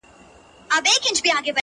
ورور د زور برخه ګرځي او خاموش پاتې کيږي,